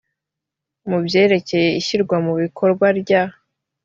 mu byerekeye ishyirwa mu bikorwa rya